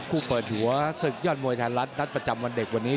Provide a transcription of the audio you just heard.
เปิดหัวศึกยอดมวยไทยรัฐนัดประจำวันเด็กวันนี้